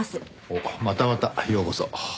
おっまたまたようこそ。